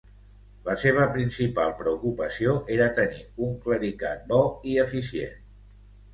La seva principal preocupació era tenir un clericat bo i eficient.